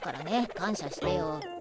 感謝してよ。